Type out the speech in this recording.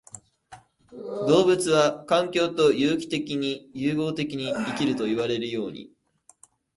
動物は環境と有機的に融合的に生きるといわれるように、